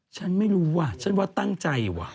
ฉันไม่รู้ว่ะฉันว่าตั้งใจว่ะ